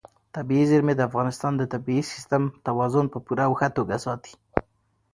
طبیعي زیرمې د افغانستان د طبعي سیسټم توازن په پوره او ښه توګه ساتي.